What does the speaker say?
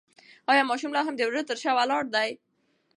ایا ماشوم لا هم د وره تر شا ولاړ دی؟